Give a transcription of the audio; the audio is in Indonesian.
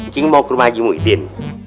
cing mau ke rumahmu hidin